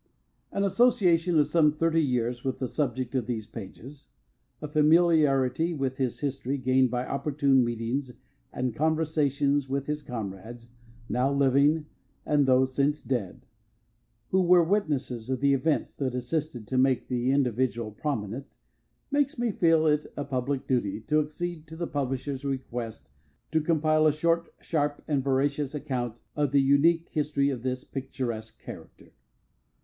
An association of some thirty years with the subject of these pages, a familiarity with his history gained by opportune meetings and conversations with comrades now living, and those since dead who were witnesses of the events that assisted to make the individual prominent makes me feel it a public duty to accede to the publisher's request to compile a short, sharp, and veracious account of the unique history of this picturesque character.